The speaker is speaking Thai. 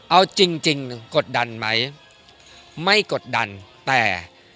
เอาจริงจริงกดดันไหมไม่กดดันแต่